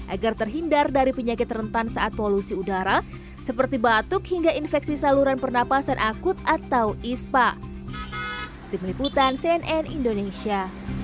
agar terhindar dari penyakit rentan saat polusi udara seperti batuk hingga infeksi saluran pernapasan akut atau ispa